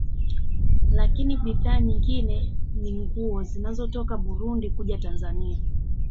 Lakini bidhaa nyingine ni nguo zinazotoka Burundi kuja Tanzania